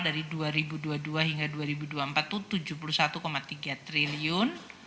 dari dua ribu dua puluh dua hingga dua ribu dua puluh empat itu rp tujuh puluh satu tiga triliun